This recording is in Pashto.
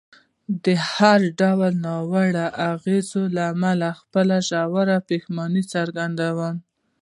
د هر ډول ناوړه اغېز له امله خپله ژوره پښیماني څرګندوم.